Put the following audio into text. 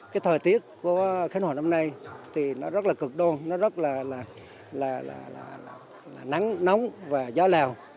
cái thời tiết của khánh hòa năm nay thì nó rất là cực đô nó rất là nắng nóng và gió lào